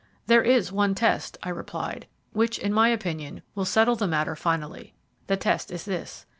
"There is one test," I replied, "which, in my opinion, will settle the matter finally. The test is this.